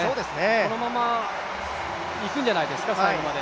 このままいくんじゃないですか、最後まで。